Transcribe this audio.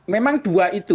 memang dua itu